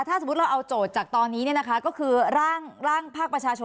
ถ้าสมมุติเราเอาโจทย์จากตอนนี้เนี้ยนะคะก็คือร่างร่างภาคประชาชน